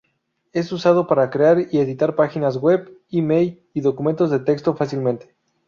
Es usado para crear y editar páginas web, e-mail, y documentos de texto fácilmente.